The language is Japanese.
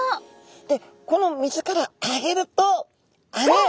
でこの水からあげるとあれ？